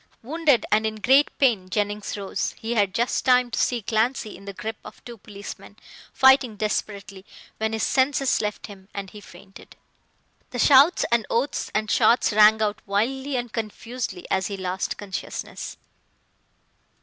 Wounded, and in great pain, Jennings rose. He had just time to see Clancy in the grip of two policemen, fighting desperately, when his senses left him and he fainted. The shouts and oaths and shots rang out wildly and confusedly as he lost consciousness.